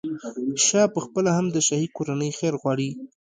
شاه پخپله هم د شاهي کورنۍ خیر غواړي.